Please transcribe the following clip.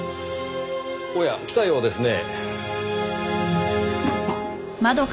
おや来たようですねぇ。